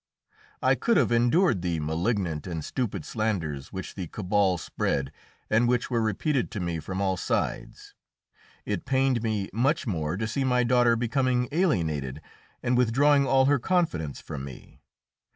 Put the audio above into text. I could have endured the malignant and stupid slanders which the cabal spread, and which were repeated to me from all sides; it pained me much more to see my daughter becoming alienated and withdrawing all her confidence from me.